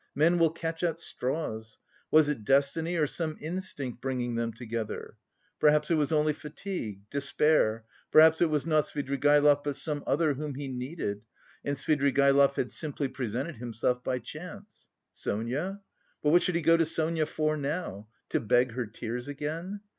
Men will catch at straws! Was it destiny or some instinct bringing them together? Perhaps it was only fatigue, despair; perhaps it was not Svidrigaïlov but some other whom he needed, and Svidrigaïlov had simply presented himself by chance. Sonia? But what should he go to Sonia for now? To beg her tears again?